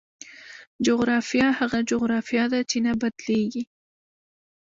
جغرافیه هغه جغرافیه ده چې نه بدلېږي.